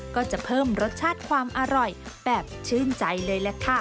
ก็จะเพิ่มรสชาติความอร่อยแบบชื่นใจเลยล่ะค่ะ